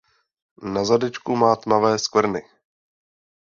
Na zadečku má tmavé skvrny.